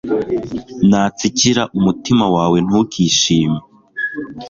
natsikira, umutima wawe ntukishime